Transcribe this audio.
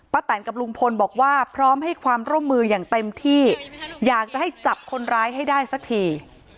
แตนกับลุงพลบอกว่าพร้อมให้ความร่วมมืออย่างเต็มที่อยากจะให้จับคนร้ายให้ได้สักที